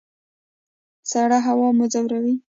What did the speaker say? سړه هوا مو ځوروي؟